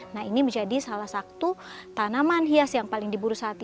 nah ini menjadi salah satu tanaman hias yang paling diburu saat ini